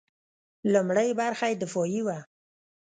لومړۍ برخه یې دفاعي وه.